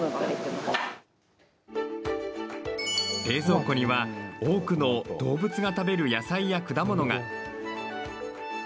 冷蔵庫には多くの動物が食べる野菜や果物が。